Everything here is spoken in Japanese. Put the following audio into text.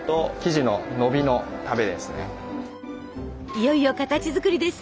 いよいよ形づくりです！